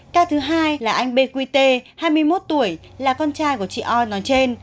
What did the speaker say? ca thứ hai là anh b q t hai mươi một tuổi là con trai của chị o nói trên